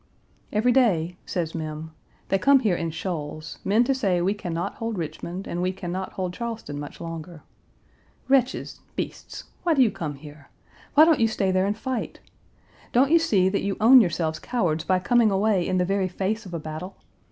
"Every day," says Mem, "they come here in shoals men to say we can not hold Richmond, and we can not hold Charleston much longer. Wretches, beasts! Why do you come here? Why don't you stay there and fight? Don't you see that you own yourselves cowards by coming away in the very face of a battle?